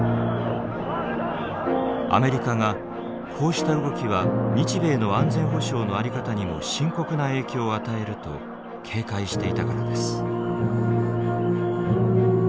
アメリカがこうした動きは日米の安全保障の在り方にも深刻な影響を与えると警戒していたからです。